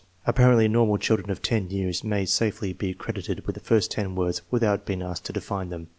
Apparently normal children of 10 years may safely be cred * ited with the first ten words without being asked to define them.